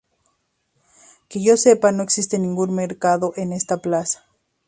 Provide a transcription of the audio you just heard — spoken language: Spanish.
que yo sepa no existe ningún mercado en esta plaza